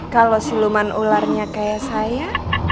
kalau siluman ularnya kayak saya